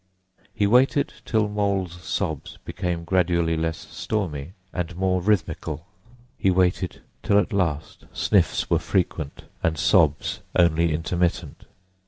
He waited till Mole's sobs became gradually less stormy and more rhythmical; he waited till at last sniffs were frequent and sobs only intermittent.